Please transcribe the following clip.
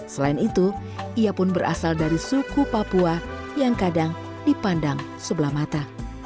selain itu ia pun berasal dari suku papua yang kadang dipandang sebelah mata